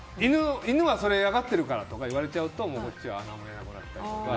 犬はそれ嫌がってるからとか言われちゃうと、こっちは何も言えなくなったりとか。